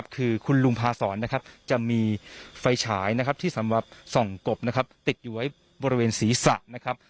คุณลังภศรจะมีไฟฉายที่สำหรับสองกบติดอยู่ไว้บริเวณศรีษะ